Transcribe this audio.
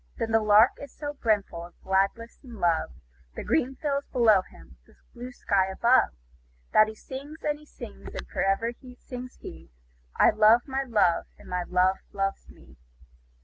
But the Lark is so brimful of gladness and love, The green fields below him, the blue sky above, That he sings, and he sings; and for ever sings he 'I love my Love, and my Love loves me!'